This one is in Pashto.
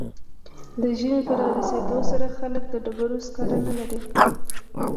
د ژمي په رارسیدو سره خلک د ډبرو سکاره نلري